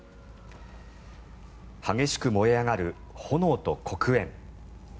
激しく燃え上がる炎と黒煙。